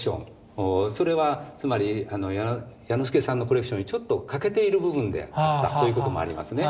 それはつまり彌之助さんのコレクションにちょっと欠けている部分であったということもありますね。